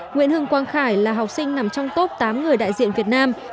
nguyễn hưng quang khải là học sinh nằm trong top tám người đại diện việt nam